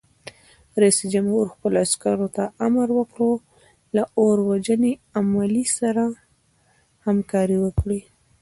رئیس جمهور خپلو عسکرو ته امر وکړ؛ له اور وژنې عملې سره همکاري وکړئ!